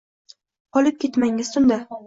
Qolib ketmangiz tunda…